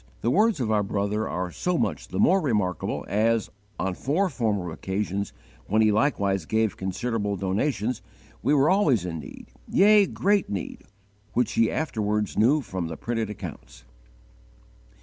The words of our brother are so much the more remarkable as, on four former occasions, when he likewise gave considerable donations, we were always in need, yea, great need, which he afterwards knew from the printed accounts."